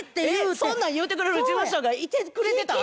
そんなん言うてくれる事務所がいてくれてたん？